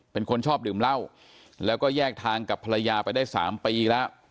เป็นคนชอบดื่มเหล้าแล้วก็แยกทางกับภรรยาไปได้๓ปีแล้ว